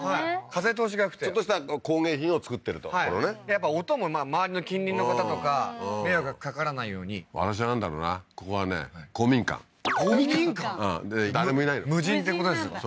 風通しがよくてちょっとした工芸品を作ってるとはいやっぱ音も周りの近隣の方とか迷惑がかからないように私はなんだろうなここはね公民館公民館？で誰もいないの無人ってことですよね